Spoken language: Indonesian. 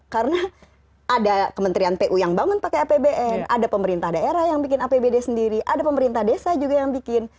karena ada kementerian pu yang bangun pakai apbn ada pemerintah daerah yang bikin apbd sendiri ada pemerintah desa juga yang bikin